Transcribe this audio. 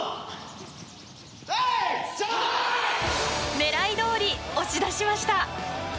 狙いどおり押し出しました。